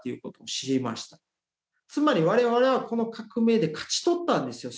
つまり我々はこの革命で勝ち取ったんですよ。